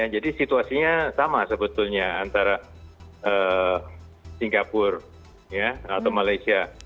jadi situasinya sama sebetulnya antara singapura atau malaysia